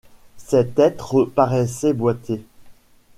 Cet être paraissait boiter.